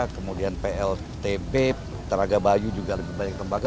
kemudian pltp teraga bayu juga lebih banyak tembaga